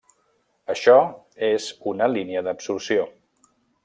Això és una línia d'absorció.